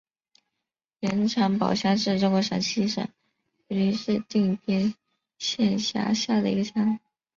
盐场堡乡是中国陕西省榆林市定边县下辖的一个乡。